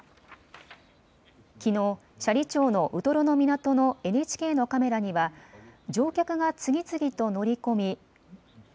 きのう斜里町のウトロの港のＮＨＫのカメラには乗客が次々と乗り込み。